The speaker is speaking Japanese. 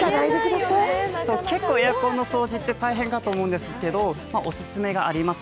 結構、エアコンの掃除って大変かと思うんですけど、おすすめがあります。